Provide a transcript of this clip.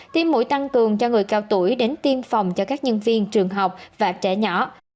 tiêm mũi tăng cường cho người cao tuổi đến tiêm phòng cho các nhân viên trường học và trẻ nhỏ